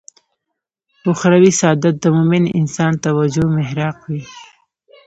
اخروي سعادت د مومن انسان توجه محراق وي.